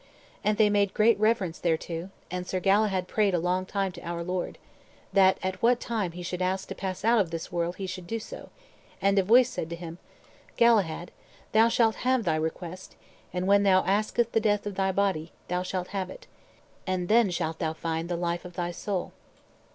And they made great reverence thereto, and Sir Galahad prayed a long time to our Lord, that at what time he should ask to pass out of this world he should do so; and a voice said to him, "Galahad, thou shalt have thy request; and when thou askest the death of thy body, thou shalt have it, and then shalt thou find the life of thy soul."